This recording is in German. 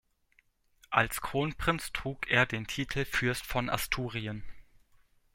Als Kronprinz trug er den Titel Fürst von Asturien.